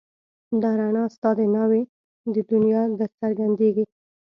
دا رڼا ستا د ناوې د دنيا درڅرګنديږي